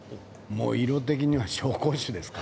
色的には紹興酒ですか？